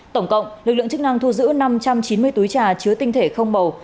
tổng cộng lực lượng chức năng thu giữ năm trăm chín mươi túi trà chứa tinh thể không bầu